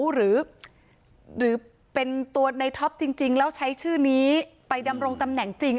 หรือเป็นตัวในท็อปจริงแล้วใช้ชื่อนี้ไปดำรงตำแหน่งจริง